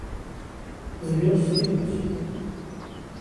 Zhiɣ s tidet.